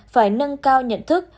phải nâng cao nhận thức